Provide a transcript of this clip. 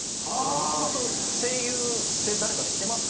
もともと声優って誰か知ってますか？